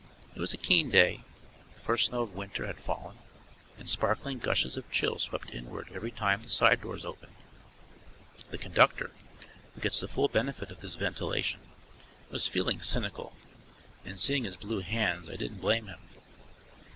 It was a keen day, the first snow of winter had fallen, and sparkling gushes of chill swept inward every time the side doors opened. The conductor, who gets the full benefit of this ventilation, was feeling cynical, and seeing his blue hands I didn't blame him.